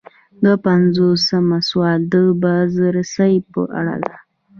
دوه پنځوسم سوال د بازرسۍ په اړه دی.